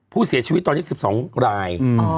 ผู้เสียชีวิตตอนนี้๑๒ราย